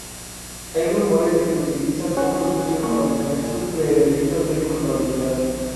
Hay rumores de que utiliza trucos sucios para obtener sus veredictos de culpabilidad.